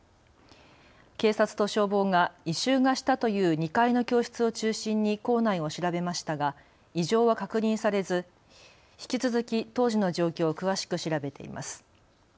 警察と消防が異臭がしたという２階の教室を中心に校内を調べましたが異常は確認されず引き続き当時の状況を詳しく調べています。